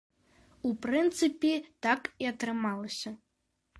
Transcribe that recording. У прынцыпе, так і атрымалася.